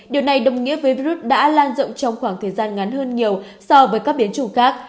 điều này đồng nghĩa với virus đã lan rộng trong khoảng thời gian ngắn hơn nhiều so với các biến chủng khác